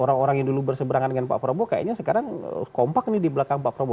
orang orang yang dulu berseberangan dengan pak prabowo kayaknya sekarang kompak nih di belakang pak prabowo